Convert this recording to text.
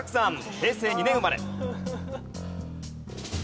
平成２年生まれ。